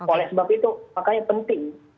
oleh sebab itu makanya penting